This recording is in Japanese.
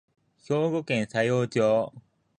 兵庫県佐用町